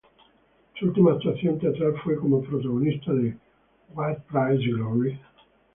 Su última actuación teatral fue como protagonista de "What Price Glory?